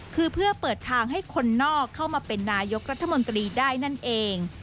คือเพื่อเปิดทางให้คนนอกเข้ามาเป็นนายกรัฐมนตรีได้นั่นเอง